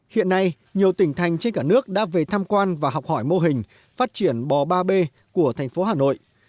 hiện nay nhiều tỉnh thành trên cả nước đã về tham quan và học hỏi mô hình phát triển bò ba b của thành phố hà nội